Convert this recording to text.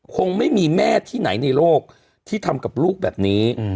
คงไม่มีแม่ที่ไหนในโลกที่ทำกับลูกแบบนี้